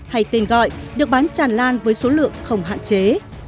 hay tên gọi được bán tràn lan với số lượng không hạn chế